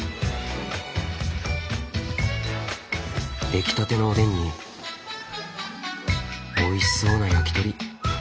出来たてのおでんにおいしそうな焼き鳥。